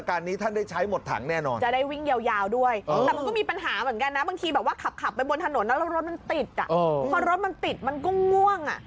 ขับไปบนถนนแล้วรถมันติดพอรถมันติดมันก็ง่วง